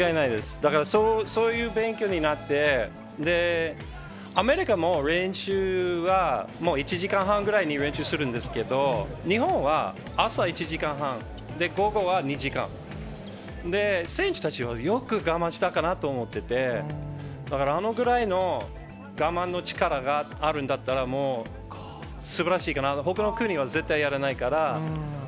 だからそういう勉強になって、で、アメリカも練習は、もう１時間半ぐらいに練習するんですけど、日本は朝１時間半、午後は２時間、選手たちはよく我慢したかなと思ってて、だから、あのぐらいの我慢の力があるんだったら、もうすばらしいかな、ほかの国は絶対やらないから。